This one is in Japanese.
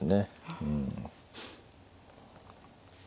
うん。